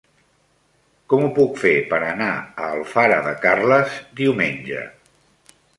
Com ho puc fer per anar a Alfara de Carles diumenge?